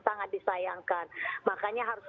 sangat disayangkan makanya harus